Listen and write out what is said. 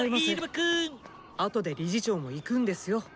あとで理事長も行くんですよ。